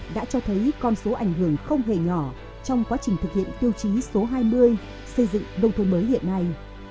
đã cho thấy con số ảnh hưởng không hề nhỏ trong quá trình thực hiện tiêu chí số hai mươi xây dựng nông thôn mới hiện nay